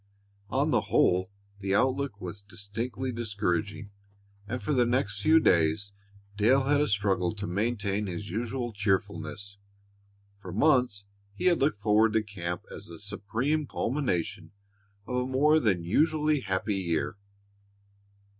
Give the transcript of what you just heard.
On the whole the outlook was distinctly discouraging, and for the next few days Dale had a struggle to maintain his usual cheerfulness. For months he had looked forward to camp as the supreme culmination of a more than usually happy year.